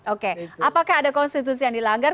oke apakah ada konstitusi yang dilanggar